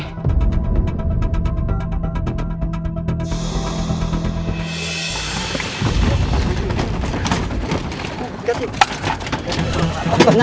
jangan jangan ada sesuatu nih